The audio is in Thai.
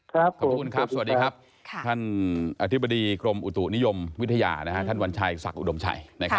ครับผมสวัสดีครับท่านอธิบดีกรมอุตุนิยมวิทยานะฮะท่านวันชายศักดิ์อุดมชัยนะครับ